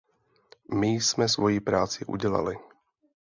My jsme svoji práci udělali.